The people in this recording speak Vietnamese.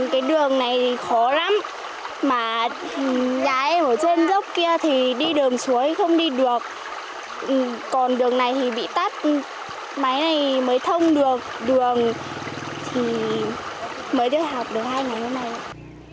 cái đường này thì khó lắm mà dài ở trên dốc kia thì đi đường xuống thì không đi được còn đường này thì bị tắt máy này mới thông được đường thì mới được học được hai ngày hôm nay